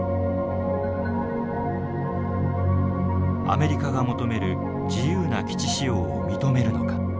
アメリカが求める自由な基地使用を認めるのか。